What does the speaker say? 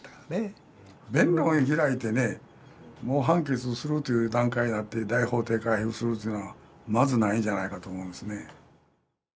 弁論開いてねもう判決するという段階になって大法廷回付するというのはまずないんじゃないかと思いますね。